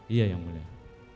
iya yang mulia